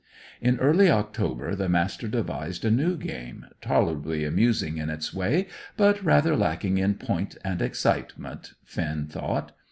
In early October the Master devised a new game, tolerably amusing in its way, but rather lacking in point and excitement, Finn thought.